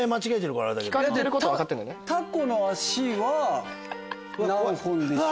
タコの足は何本でしょう？